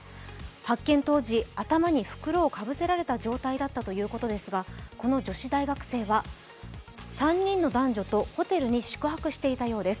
発見当時、頭に袋をかぶられた状態だったということですが、この女子大学生は３人の男女とホテルに宿泊していたようです。